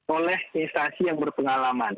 oleh instasi yang berpengalaman